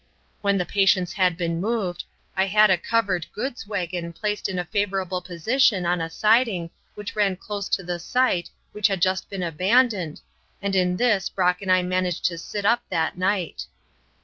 When the patients had been moved, I had a covered goods wagon placed in a favourable position on a siding which ran close to the site which had just been abandoned, and in this Brock and I arranged to sit up that night.